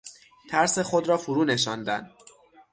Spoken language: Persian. ترس خود را فرونشاندن